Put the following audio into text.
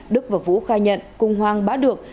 đức và vũ khai nhận cùng hoàng bá được